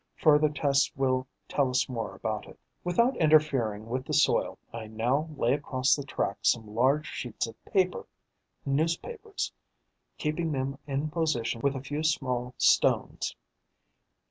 Further tests will tell us more about it. Without interfering with the soil, I now lay across the track some large sheets of paper, newspapers, keeping them in position with a few small stones.